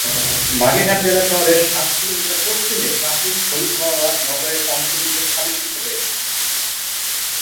বাগেরহাট জেলা শহরের সাত কিলোমিটার পশ্চিমে প্রাচীন খলিফতাবাদ নগরের অংশবিশেষ আবিষ্কৃত হয়েছে।